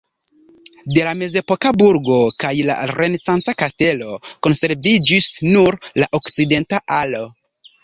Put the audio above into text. De la mezepoka burgo kaj la renesanca kastelo konserviĝis nur la okcidenta alo.